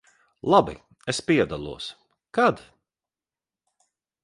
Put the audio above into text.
Labi, es piedalos. Kad?